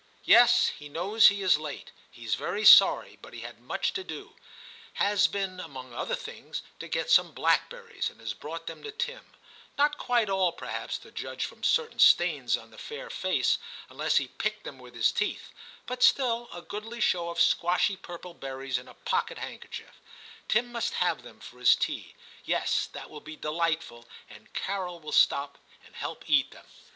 * Yes, he knows he is late ; he's very sorry, but he had much to do ; has been, among other things, to get some blackberries, and has brought them to Tim,' — not quite all, perhaps, to judge from certain stains on the fair face, unless he picked them with his teeth, but still a goodly show of squashy purple berries in a pocket handkerchief ;— Tim must have them for his tea; yes, that will be delightful, and Carol will stop and help eat them.